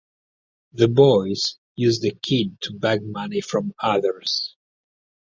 The boys use the kid to beg money from others.